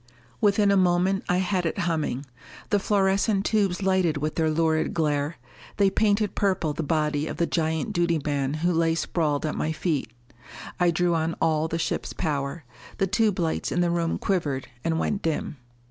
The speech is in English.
Within a moment I had it humming. The fluorescent tubes lighted with their lurid glare; they painted purple the body of the giant duty man who lay sprawled at my feet. I drew on all the ship's power. The tube lights in the room quivered and went dim.